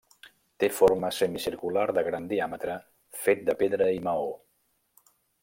Té forma semicircular de gran diàmetre fet de pedra i maó.